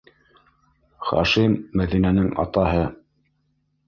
Хашим Мәҙинәнең атаһы.